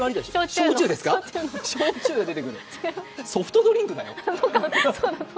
ソフトドリンクだよ。